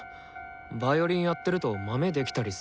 ヴァイオリンやってるとマメできたりするから。